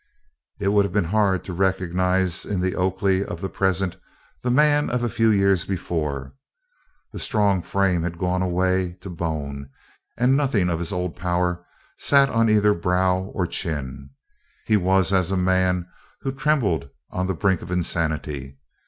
It would have been hard to recognise in the Oakley of the present the man of a few years before. The strong frame had gone away to bone, and nothing of his old power sat on either brow or chin. He was as a man who trembled on the brink of insanity.